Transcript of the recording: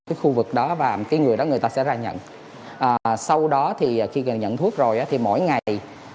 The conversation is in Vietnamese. cái khu vực đó và cái người đó người ta sẽ ra nhận sau đó thì khi nhận thuốc rồi thì mỗi ngày